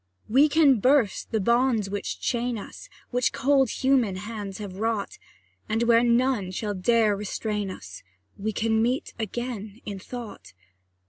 We can burst the bonds which chain us, Which cold human hands have wrought, And where none shall dare restrain us We can meet again, in thought.